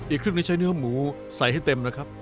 อีกครึ่งนี้ใช้เนื้อหมูใส่ให้เต็มนะครับ